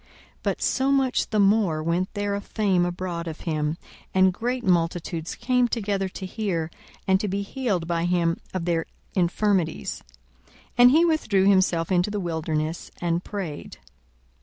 42:005:015 But so much the more went there a fame abroad of him: and great multitudes came together to hear, and to be healed by him of their infirmities. 42:005:016 And he withdrew himself into the wilderness, and prayed.